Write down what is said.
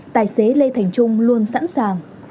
tài xế lê thành trung luôn sẵn sàng